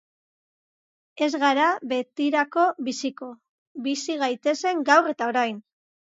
Ez gara betirako biziko, bizi gaitezen gaur eta orain.